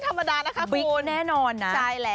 รับรองว่างานนี้ไม่ธรรมดานะครับคุณ